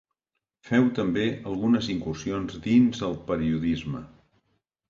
Féu també algunes incursions dins el periodisme.